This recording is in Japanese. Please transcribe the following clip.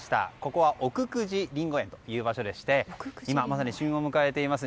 ここは奥久慈りんご園という場所でして今まさに旬を迎えています